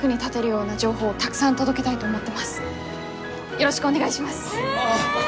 よろしくお願いします！